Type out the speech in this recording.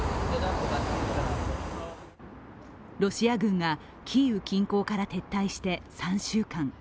ロシア軍がキーウ近郊から撤退して３週間。